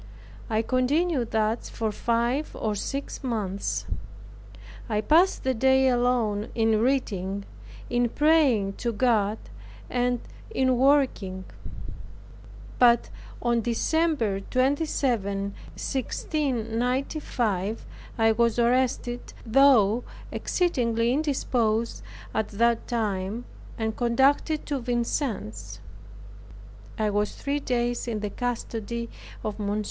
I continued thus for five or six months. I passed the day alone in reading, in praying to God, and in working. But the December 27, 1695, I was arrested, though exceedingly indisposed at that time, and conducted to Vincennes. I was three days in the custody of Mons.